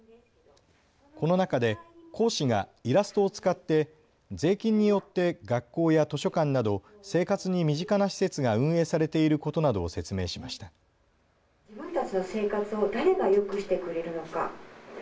この中で講師がイラストを使って税金によって学校や図書館など生活に身近な施設が運営されていることなどを説明しました。